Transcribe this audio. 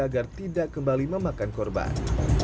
agar tidak kembali memakan korban